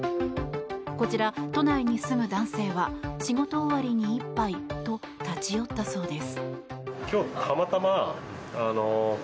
こちら、都内に住む男性は仕事終わりに一杯と立ち寄ったそうです。